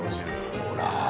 ほら。